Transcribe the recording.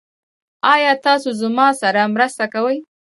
ایا تاسو زما سره مرسته کوئ؟